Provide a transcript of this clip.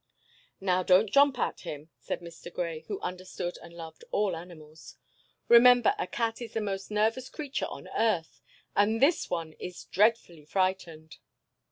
"Now, don't jump at him," said Mr. Grey, who understood and loved all animals. "Remember, a cat is the most nervous creature on earth, and this one is dreadfully frightened."